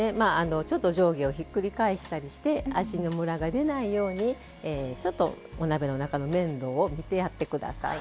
ちょっと上下をひっくり返したりして味のムラが出ないようにちょっとお鍋の中の面倒を見てやって下さい。